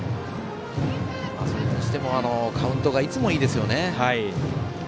それにしてもカウントがいつもいいですよね。